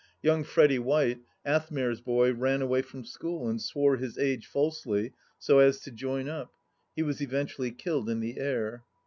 Young Freddy White, Athmare's boy, ran away from school and swore his age falsely, so as to join up ; he was eventually killed in the air.